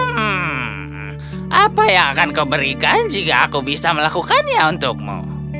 hmm apa yang akan kau berikan jika aku bisa melakukannya untukmu